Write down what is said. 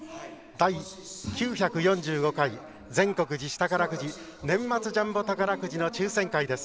第９４５回全国自治宝くじ年末ジャンボ宝くじの抽せん会です。